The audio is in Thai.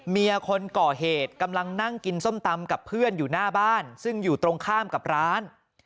คนก่อเหตุกำลังนั่งกินส้มตำกับเพื่อนอยู่หน้าบ้านซึ่งอยู่ตรงข้ามกับร้าน